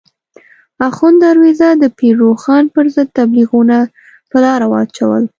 اخوند درویزه د پیر روښان پر ضد تبلیغونه په لاره واچول.